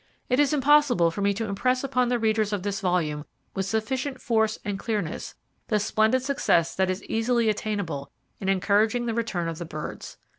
It is impossible for me to impress upon the readers of this volume with sufficient force and clearness the splendid success that is easily attainable in encouraging the return of the birds.